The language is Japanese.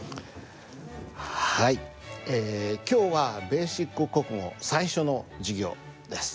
はい今日は「ベーシック国語」最初の授業です。